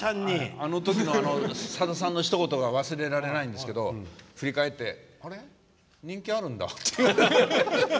あのときのさださんの、ひと言が忘れられないんですけど振り返って「あれ？人気あるんだ」。